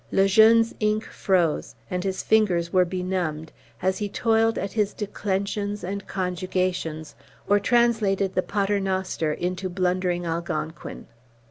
Le Jeune's ink froze, and his fingers were benumbed, as he toiled at his declensions and conjugations, or translated the Pater Noster into blundering Algonquin.